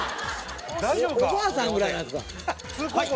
おばあさんぐらいのやつだ。